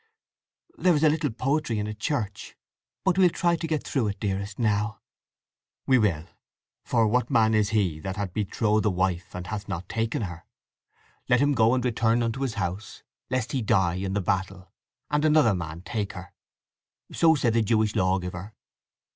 There is a little poetry in a church. But we'll try to get through with it, dearest, now." "We will. 'For what man is he that hath betrothed a wife and hath not taken her? Let him go and return unto his house, lest he die in the battle, and another man take her.' So said the Jewish law giver."